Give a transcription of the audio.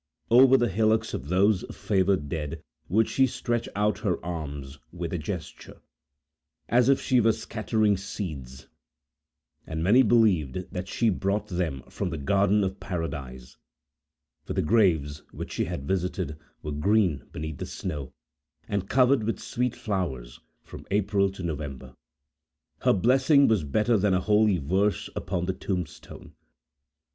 Over the hillocks of those favored dead would she stretch out her arms, with a gesture, as if she were scattering seeds; and many believed that she brought them from the garden of Paradise; for the graves, which she had visited, were green beneath the snow, and covered with sweet flowers from April to November. Her blessing was better than a holy verse upon the tombstone.